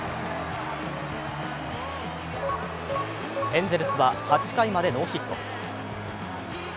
エンゼルスは８回までノーヒット。